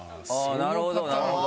ああなるほどなるほど。